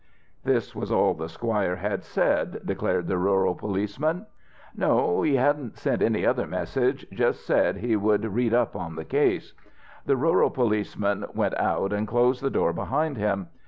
That was all the squire had said, declared the rural policeman. No, he hadn't sent any other message just said he would read up on the case. The rural policeman went out and closed the door behind him.